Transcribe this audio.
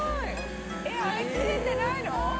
あれ切れてないの？